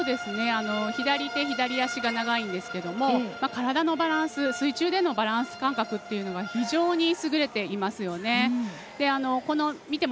左手、左足が長いんですけれども体のバランス、水中でのバランス感覚が優れています。